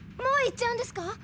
もう行っちゃうんですか。